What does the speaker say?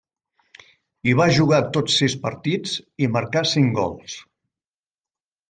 Hi va jugar tots sis partits, i marcà cinc gols.